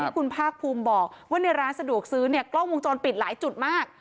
คุณภาคภูมิบอกว่าในร้านสะดวกซื้อเนี่ยกล้องวงจรปิดหลายจุดมาก